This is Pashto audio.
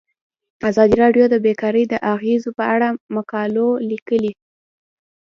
ازادي راډیو د بیکاري د اغیزو په اړه مقالو لیکلي.